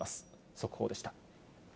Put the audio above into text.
速報でした。